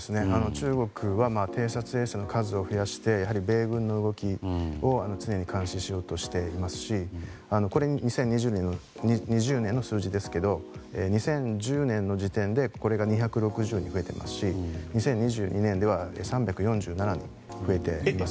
中国は偵察衛星の数を増やして米軍の動きを常に監視しようとしていますしこれ、２０２０年の数字ですが２０１０年の時点でこれが２６０に増えていますし２０２２年では３４７に増えています。